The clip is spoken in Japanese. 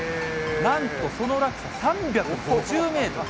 なんとその落差３５０メートル。